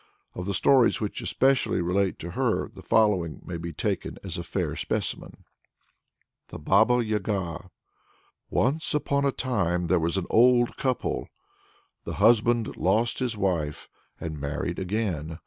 Of the stories which especially relate to her the following may be taken as a fair specimen. THE BABA YAGA. Once upon a time there was an old couple. The husband lost his wife and married again.